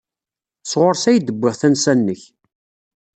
Sɣur-s ay d-wwiɣ tansa-nnek.